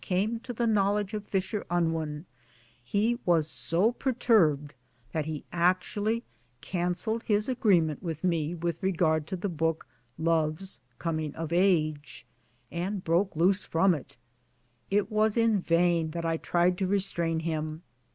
came to the knowledge of Fisher Unwin he was so per turbed that he actually cancelled his Agreement with me, with regard to the book Love's Coming of Age, and broke loose from it. It was in vain that I tried to restrain him.